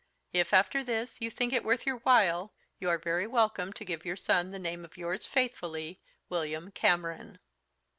If, after this, you think it worth your while, you are very welcome to give your son the name of yours faithfully, WILLIAM CAMERON."